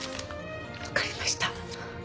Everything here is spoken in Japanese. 分かりました。